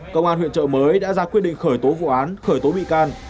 công an huyện trợ mới đã ra quyết định khởi tố vụ án khởi tố bị can